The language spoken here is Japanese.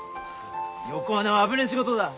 横穴は危ねえ仕事だ。